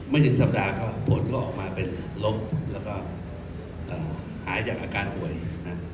ถึงสัปดาห์ก็ผลก็ออกมาเป็นลบแล้วก็หายจากอาการป่วยนะ